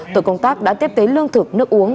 tội công tác đã tiếp tế lương thực nước uống